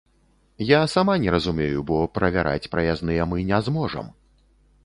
Я сама не разумею, бо правяраць праязныя мы не зможам.